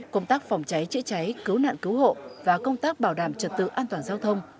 công tác phòng cháy chữa cháy cứu nạn cứu hộ và công tác bảo đảm trật tự an toàn giao thông